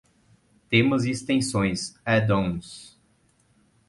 temas e extensões, add-ons